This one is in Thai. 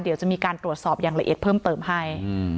เดี๋ยวจะมีการตรวจสอบอย่างละเอียดเพิ่มเติมให้